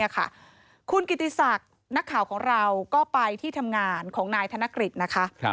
คุณกิติศักดิ์นักข่าวของเราก็ไปที่ทำงานของนายธนกฤษนะคะ